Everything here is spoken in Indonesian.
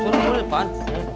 suruh suruh depan